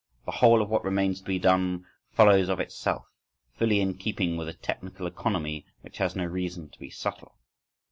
The whole of what remains to be done follows of itself, fully in keeping with a technical economy which has no reason to be subtle.